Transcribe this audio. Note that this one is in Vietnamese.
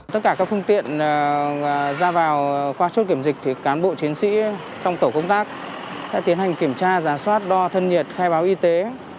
tất cả các phương tiện ra vào qua chốt kiểm dịch cán bộ chiến sĩ trong tổ công tác sẽ tiến hành kiểm tra giả soát đo thân nhiệt khai báo y tế